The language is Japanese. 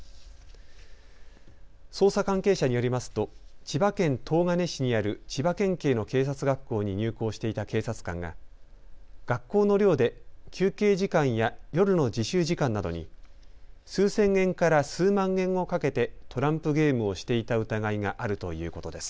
捜査関係者によりますと千葉県東金市にある千葉県警の警察学校に入校していた警察官が学校の寮で休憩時間や夜の自習時間などに数千円から数万円を賭けてトランプゲームをしていた疑いがあるということです。